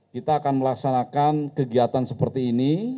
kita akan melaksanakan kegiatan seperti ini